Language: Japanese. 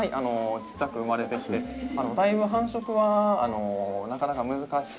ちっちゃく生まれてきてだいぶ繁殖はなかなか難しい。